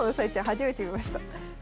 初めて見ました。